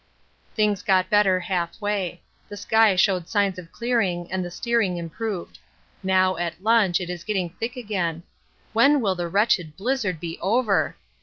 Things got better half way; the sky showed signs of clearing and the steering improved. Now, at lunch, it is getting thick again. When will the wretched blizzard be over?